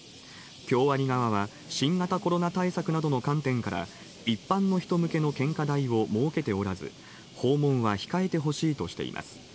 京アニ側は新型コロナ対策などの観点から一般の人向けの献花台を設けておらず、訪問は控えてほしいとしています。